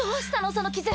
その傷。